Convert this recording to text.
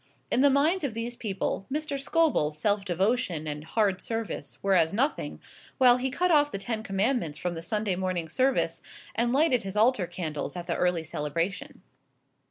In the minds of these people, Mr. Scobel's self devotion and hard service were as nothing, while he cut off the ten commandments from the Sunday morning service, and lighted his altar candles at the early celebration.